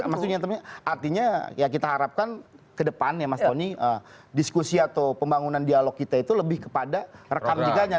maksudnya artinya ya kita harapkan ke depan ya mas tony diskusi atau pembangunan dialog kita itu lebih kepada rekam jeganya